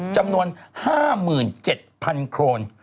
จำนวน๕๗๐๐โครน